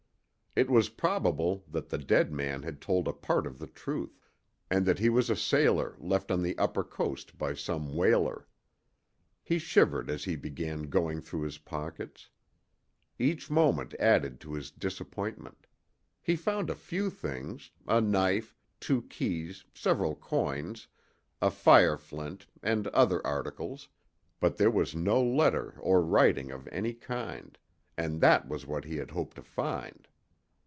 It was probable that the dead man had told a part of the truth, and that he was a sailor left on the upper coast by some whaler. He shivered as he began going through his pockets. Each moment added to his disappointment. He found a few things a knife, two keys, several coins, a fire flint, and other articles but there was no letter or writing of any kind, and that was what he had hoped to find.